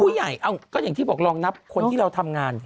ก็อย่างที่บอกลองนับคนที่เราทำงาน